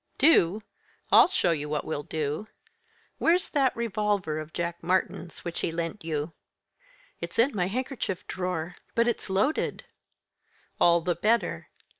"Do! I'll show you what we'll do. Where's that revolver of Jack Martyn's, which he lent you?" "It's in my handkerchief drawer but it's loaded." "All the better.